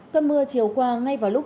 cơn mưa chiều qua ngay vào lúc